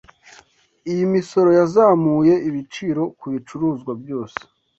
Iyi misoro yazamuye ibiciro kubicuruzwa byose.